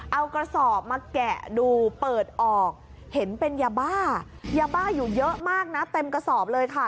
เอากระสอบมาแกะดูเปิดออกเห็นเป็นยาบ้ายาบ้าอยู่เยอะมากนะเต็มกระสอบเลยค่ะ